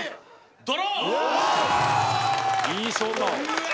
ドロー。